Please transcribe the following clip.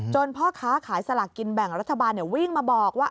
พ่อค้าขายสลากกินแบ่งรัฐบาลวิ่งมาบอกว่า